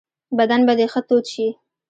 بدن به دي ښه تود شي .